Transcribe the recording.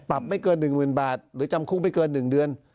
ไม่เกิน๑๐๐๐บาทหรือจำคุกไม่เกิน๑เดือน